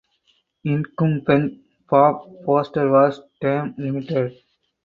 Incumbent Bob Foster was term limited.